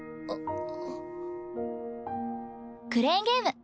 あっ。